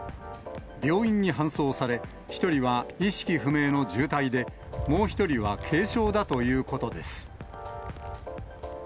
病院に搬送され、１人は意識不明の重体で、もう１人は軽傷だということです。